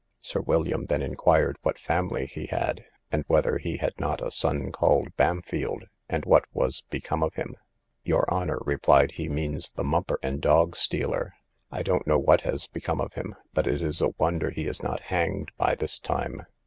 Sir William then inquired what family he had, and whether he had not a son called Bampfylde, and what was become of him. Your honour, replied he, means the mumper and dog stealer: I don't know what has become of him, but it is a wonder he is not hanged by this time.